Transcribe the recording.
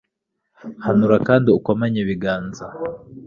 hanura kandi ukomanye ibiganza